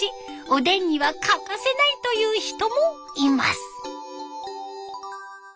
おでんには欠かせないという人もいます。